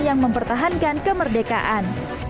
yang mempertahankan kemerdekaan